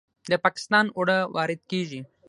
د پاکستان اوړه وارد کیږي.